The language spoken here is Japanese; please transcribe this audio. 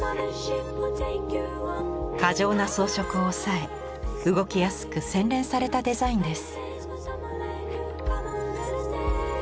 過剰な装飾を抑え動きやすく洗練されたデザインです。